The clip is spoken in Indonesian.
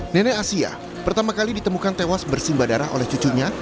nenek asia pertama kali ditemukan tewas bersimba darah oleh cucunya